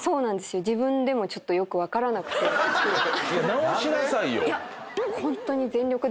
直しなさいよ。